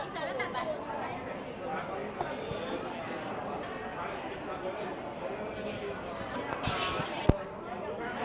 เพลงพี่หวาย